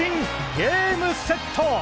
ゲームセット！